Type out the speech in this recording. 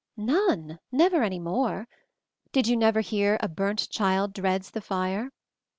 'None. Never any more. Did you never hear 'a burnt child dreads the fire'?